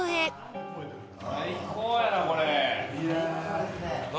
最高ですね。